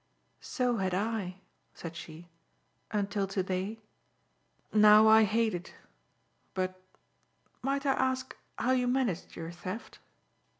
"So had I," said she, "until to day. Now, I hate it, but, might I ask how you managed your theft?"